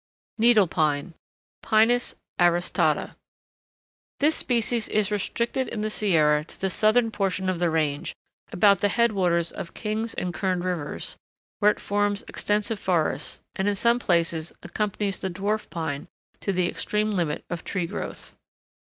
NEEDLE PINE (Pinus aristata) This species is restricted in the Sierra to the southern portion of the range, about the head waters of Kings and Kern rivers, where it forms extensive forests, and in some places accompanies the Dwarf Pine to the extreme limit of tree growth.